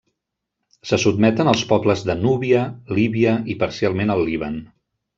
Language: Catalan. Se sotmeten els pobles de Núbia, Líbia i parcialment el Líban.